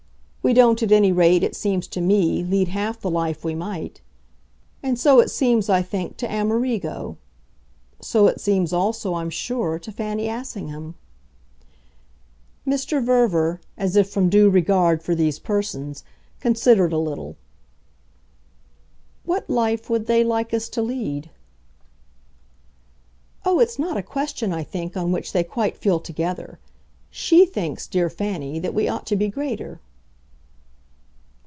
We don't at any rate, it seems to me, lead half the life we might. And so it seems, I think, to Amerigo. So it seems also, I'm sure, to Fanny Assingham." Mr. Verver as if from due regard for these persons considered a little. "What life would they like us to lead?" "Oh, it's not a question, I think, on which they quite feel together. SHE thinks, dear Fanny, that we ought to be greater."